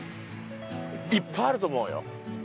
いっぱいあると思うよ。